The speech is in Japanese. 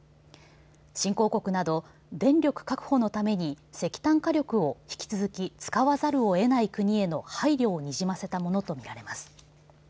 新興国など電力確保のために石炭火力を引き続き使わざるを得ない国への配慮をにじませたものとみられます。